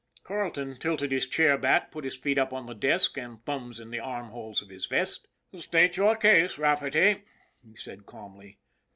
Carleton tilted his chair back, put his feet up on the desk and his thumbs in the armholes of his vest. " State your case, Rafferty," he said calmly.